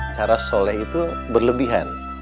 cara soleh itu berlebihan